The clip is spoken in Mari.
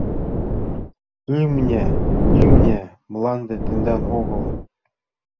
Ымня-ымня, мланде тендан огыл...